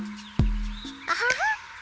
アハハ。